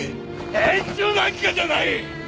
演習なんかじゃない！